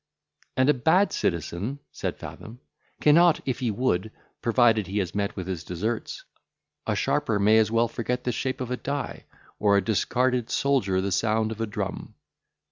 "And a bad citizen," said Fathom, "cannot, if he would, provided he has met with his deserts; a sharper may as well forget the shape of a die, or a discarded soldier the sound of a drum."